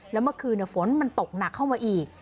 แล้วเมื่อคืนฝนมันตกหนักเข้ามาอีก